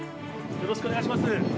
よろしくお願いします。